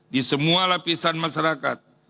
di semua lapisan masyarakat